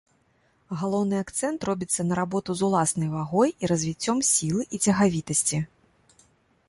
Галоўны акцэнт робіцца на работу з уласнай вагой і развіццём сілы і цягавітасці.